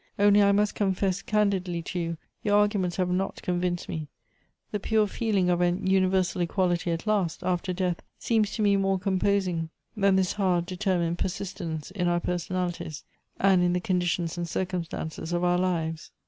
Only I must confess can didly to you, your arguments have not convinced me ; the pure feeling of an universal equality at last, after death, seems to me more composing than this hard de temiined persistance in our personalities and in the con ditions and circumstances of our lives.